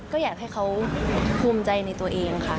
ก็อยากให้เขาภูมิใจในตัวเองค่ะ